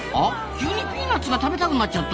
急にピーナッツが食べたくなっちゃった。